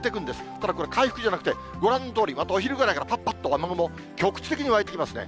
ただこれ、回復じゃなくてご覧のとおり、またお昼ぐらいから、ぱっぱっと雨雲、局地的に湧いてきますね。